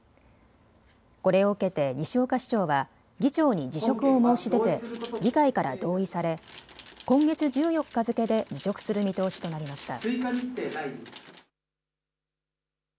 これを受けて西岡市長は議長に辞職を申し出て議会から同意され今月１４日付けで辞職する見通しとなりました。